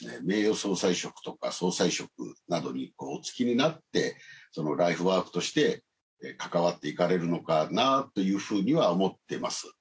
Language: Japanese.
名誉総裁職とか総裁職などにおつきになってライフワークとして関わっていかれるのかなというふうには思っています。